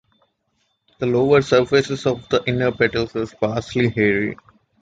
The lower surfaces of the inner petals are sparsely hairy.